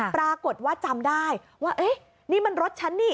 ปรากฏว่าจำได้ว่านี่มันรถฉันนี่